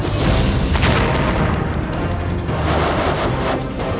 kau tidak bisa menang